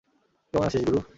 কেমন আছিস, গুরু?